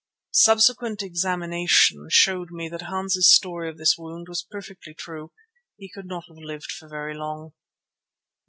(Subsequent examination showed me that Hans's story of this wound was perfectly true. He could not have lived for very long.)